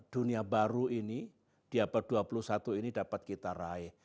dunia baru ini di abad dua puluh satu ini dapat kita raih